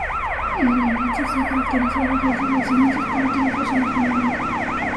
El Alianza se ha caracterizado desde sus inicios por utilizar su uniforme blanco.